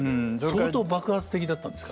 相当爆発的だったんですか。